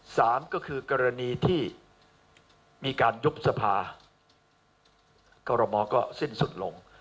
สามก็คือกรณีที่มีการยุบสภากรมอก็สิ้นสุดลง